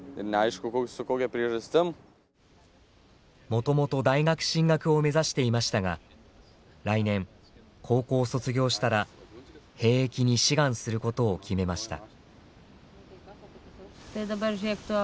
もともと大学進学を目指していましたが来年高校を卒業したら兵役に志願することを決めました。